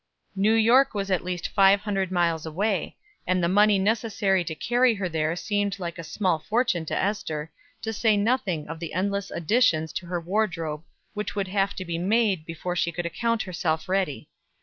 New York was at least five hundred miles away; and the money necessary to carry her there seemed like a small fortune to Ester, to say nothing of the endless additions to her wardrobe which would have to be made before she would account herself ready.